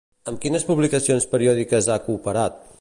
Amb quines publicacions periòdiques ha cooperat?